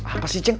apa sih ceng